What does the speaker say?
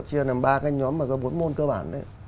chỉ là làm ba cái nhóm mà có bốn môn cơ bản đấy